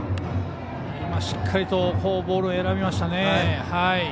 しっかりとボールを選びました。